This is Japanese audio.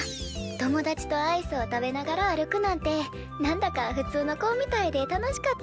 友達とアイスを食べながら歩くなんて何だかふつうの子ぉみたいで楽しかったわあ。